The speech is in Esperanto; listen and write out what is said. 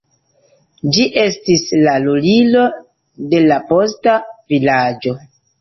Ĝi estis la lulilo de la posta vilaĝo.